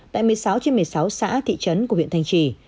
tại một mươi sáu trên một mươi sáu xã thị trấn của huyện thanh trì